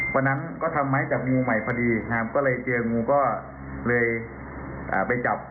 วันนั้นก็ทำไม้จับงูใหม่พอดีครับก็เลยเจองูก็เลยไปจับ